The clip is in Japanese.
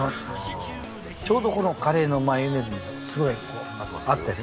ちょうどこのカレーのマヨネーズにもすごいこう合ってる。